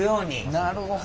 なるほど。